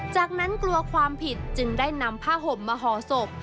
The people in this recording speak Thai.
จากนั้นกลัวความผิดจึงได้นำผ้าห่มมาห่อศพ